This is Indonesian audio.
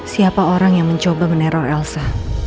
siapa orang yang mencoba meneror elsa